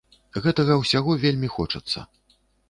Гэтага ўсяго вельмі хочацца.